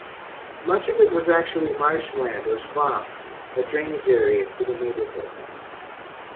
Much of it was actually marshland or slough-a drainage area for the neighborhood.